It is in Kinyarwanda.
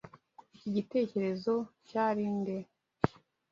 Iki gitekerezo cyari nde?